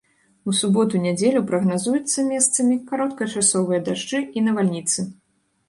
У суботу-нядзелю прагназуюцца месцамі кароткачасовыя дажджы і навальніцы.